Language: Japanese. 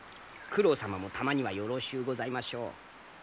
九郎様もたまにはよろしゅうございましょう。